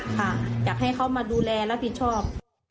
ค่ะอยากให้เขามาดูแลรับผิดชอบ